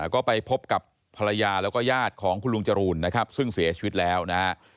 ก็ไปพบกับภรรยาแล้วก็ญาติของคุณลุงจรูนนะครับซึ่งเสียชีวิตแล้วนะฮะ